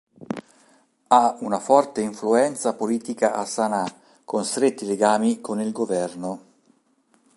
Ha una forte influenza politica a Sana'a, con stretti legami con il governo.